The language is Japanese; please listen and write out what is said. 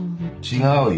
違うよ。